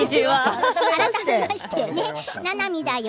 改めまして、ななみだよ。